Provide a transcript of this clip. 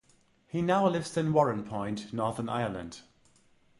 He now lives in Warrenpoint, Northern Ireland.